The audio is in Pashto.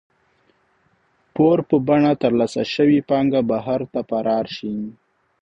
پور په بڼه ترلاسه شوې پانګه بهر ته فرار شي.